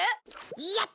やった！